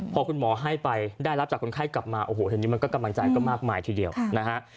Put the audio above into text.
พอคุณหมอให้ไปได้รับจากคนไข้กลับมาโอ้โหทีนี้มันก็กำลังใจก็มากมายทีเดียวนะฮะ